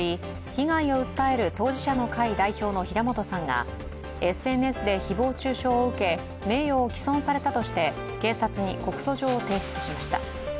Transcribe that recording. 被害を訴える当事者の会代表の平本さんがＳＮＳで誹謗中傷を受け名誉を毀損されたとして警察に告訴状を提出しました。